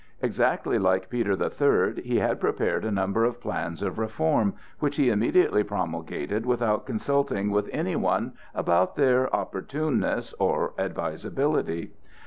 Exactly like Peter the Third, he had prepared a number of plans of reform, which he immediately promulgated without consulting with any one about their opportuneness or advisability.